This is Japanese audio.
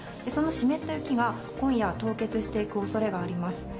その湿った雪が、今夜凍結していくおそれがあります。